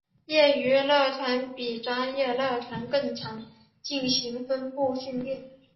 业余乐团会比专业乐团更常进行分部练习。